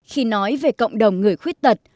khi nói về cộng đồng người khuyết tật